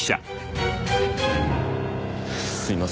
すいません。